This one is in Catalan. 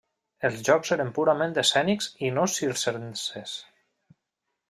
Els jocs eren purament escènics i no circenses.